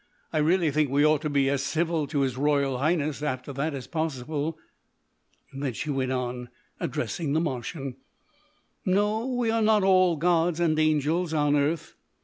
I really think we ought to be as civil to his Royal Highness after that as possible." Then she went on, addressing the Martian, "No, we are not all gods and angels on earth.